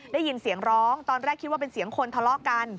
ได้ยินเสียงร้องตอนแรกคิดว่าเป็นเสียงคนทะเลาะกัน